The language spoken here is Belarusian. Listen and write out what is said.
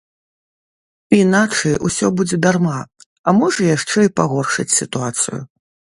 Іначай усё будзе дарма, а можа, яшчэ і пагоршыць сітуацыю.